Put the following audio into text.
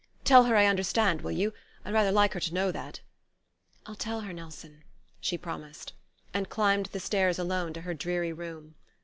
"Tell her I understand, will you? I'd rather like her to know that...." "I'll tell her, Nelson," she promised; and climbed the stairs alone to her dreary room.